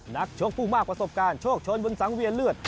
นักชกผู้มากประสบการณ์โชคชนบนสังเวียนเลือด